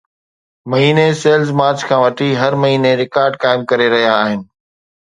مهيني sales March کان وٺي هر مهيني رڪارڊ قائم ڪري رهيا آهن